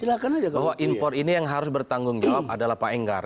bahwa impor ini yang harus bertanggung jawab adalah pak enggar